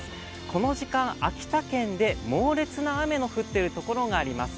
この時間、秋田県で猛烈な雨の降っているところがあります。